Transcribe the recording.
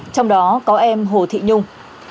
trong đó có em hồ thị nhung